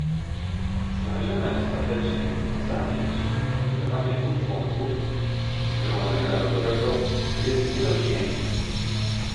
Znalezione ostatecznie rozwiązanie, czyli nominowanie dwóch członków Zgromadzenia Narodowego, jest nie do przyjęcia